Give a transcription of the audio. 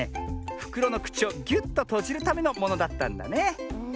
ふくろのくちをギュッととじるためのものだったんだね。